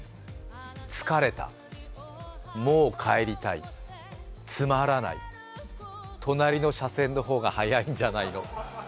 疲れた、もう帰りたい、つまらない、隣の車線の方が早いんじゃないの。